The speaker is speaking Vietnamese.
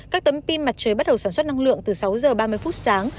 các tấm pin mặt trời bắt đầu sản xuất năng lượng từ sáu giờ ba mươi phút sáng